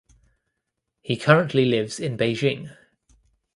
He currently lives in Beijing.